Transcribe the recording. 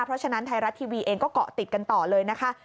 เพราะฉะนั้นไทยรัฐทีวีเองก็เกาะติดกันต่อเลยนะคะ